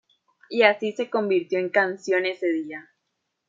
Y así se convirtió en canción ese día.